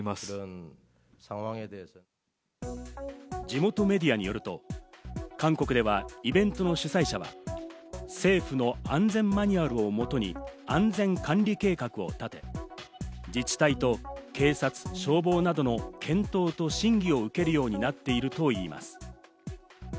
地元メディアによると、韓国ではイベントの主催者は政府の安全マニュアルをもとに安全管理計画を立て、自治体と警察、消防などの検討と審議を受けるようになっているといいます。